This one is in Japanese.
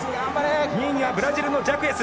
２位にはブラジルのジャクエス。